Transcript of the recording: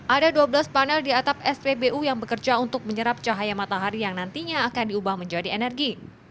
ada dua belas panel di atap spbu yang bekerja untuk menyerap cahaya matahari yang nantinya akan diubah menjadi energi